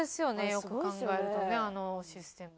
よく考えるとねあのシステム。